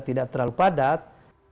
tidak terlalu padat